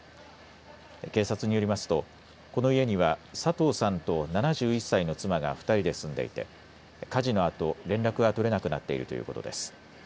警察によりますとこの家には佐藤さんと７１歳の妻が２人で住んでいて火事のあと連絡が取れなくなっているということです。